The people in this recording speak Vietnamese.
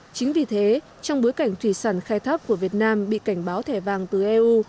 chính vì thế trong bối cảnh thủy sản khai thác của việt nam bị cảnh báo thẻ vàng từ eu